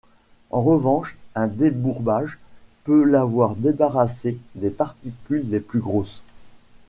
En revanche, un débourbage peut l'avoir débarrassé des particules les plus grosses.